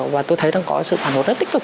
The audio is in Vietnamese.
và tôi thấy đang có sự phản hồi rất tích cực